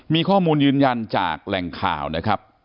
มีข้อมูลยืนยันจากแหล่งข่าวนะครับ